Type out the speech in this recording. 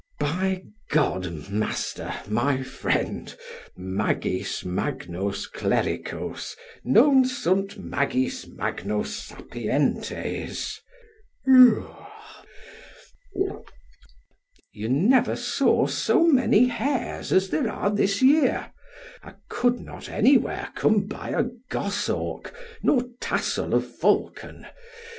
By G , master, my friend, Magis magnos clericos non sunt magis magnos sapientes. You never saw so many hares as there are this year. I could not anywhere come by a goshawk nor tassel of falcon.